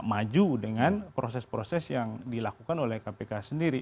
maju dengan proses proses yang dilakukan oleh kpk sendiri